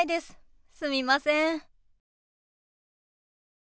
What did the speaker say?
すみません。